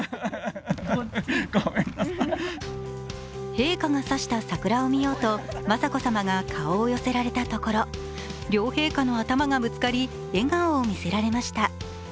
陛下が指した桜を見ようと雅子さまが顔を寄せられたところ両陛下の頭がぶつかり、笑顔を見せられました。